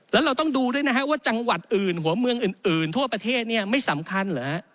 แล้วเราต้องดูด้วยนะฮะว่าจังหวัดอื่นหัวเมืองอื่นทั่วประเทศเนี่ยไม่สำคัญเหรอฮะ